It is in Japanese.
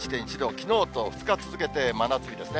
きのうと２日続けて真夏日ですね。